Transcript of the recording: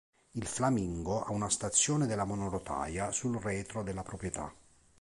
Il Flamingo ha una stazione della monorotaia sul retro della proprietà.